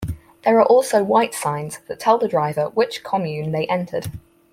There are also white signs that tell the driver which commune they entered.